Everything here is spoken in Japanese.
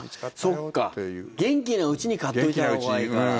そうか、元気なうちに買っておいたほうがいいから。